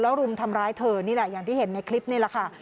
รุมทำร้ายเธอนี่แหละอย่างที่เห็นในคลิปนี่แหละค่ะ